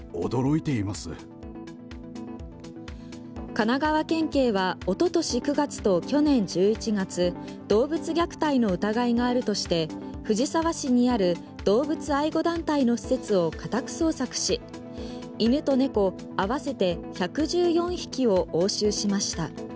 神奈川県警はおととし９月と去年１１月動物虐待の疑いがあるとして藤沢市にある動物愛護団体の施設を家宅捜索し犬と猫合わせて１１４匹を押収しました。